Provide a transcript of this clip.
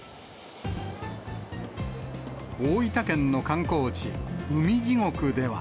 大分県の観光地、海地獄では。